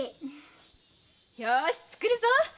ようし作るぞ！